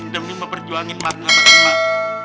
demi memperjuangin markah sama emak